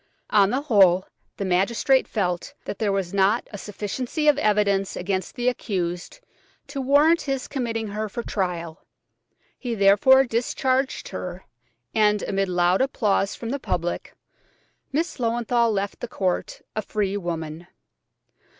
On the whole, the magistrate felt that there was not a sufficiency of evidence against the accused to warrant his committing her for trial; he therefore discharged her, and, amid loud applause from the public, Miss Löwenthal left the court a free woman.